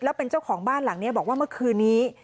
แล้วเป็นเจ้าของบ้านหลังนี้บอกว่าเมื่อคืนนี้